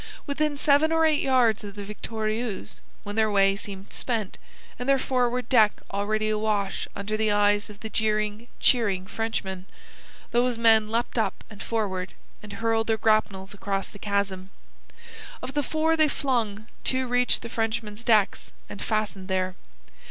Within seven or eight yards of the Victorieuse, when their way seemed spent, and their forward deck already awash under the eyes of the jeering, cheering Frenchmen, those men leapt up and forward, and hurled their grapnels across the chasm. Of the four they flung, two reached the Frenchman's decks, and fastened there.